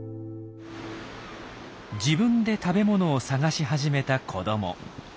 自分で食べ物を探し始めた子ども。